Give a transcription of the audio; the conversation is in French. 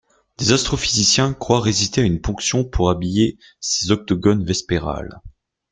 Des astrophysiciens croient résister à une ponction pour habiller ces octogones vespérals.